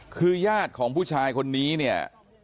คือญาติของผู้ชายคนนี้เนี่ย